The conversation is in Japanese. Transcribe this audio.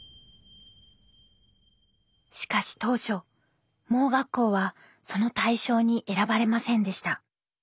しかし当初盲学校はその対象に選ばれませんでした。